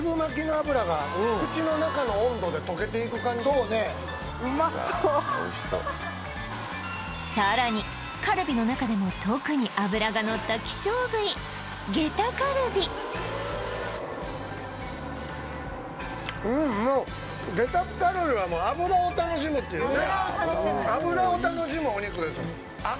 もううまそうおいしそうさらにカルビの中でも特に脂がのった希少部位ゲタカルビうんもうゲタカルビはもう脂を楽しむっていうね